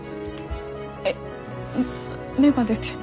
えっ芽が出てる。